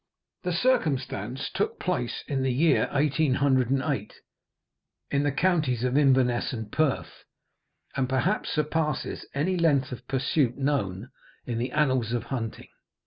The circumstance took place in the year 1808, in the counties of Inverness and Perth, and perhaps surpasses any length of pursuit known in the annals of hunting.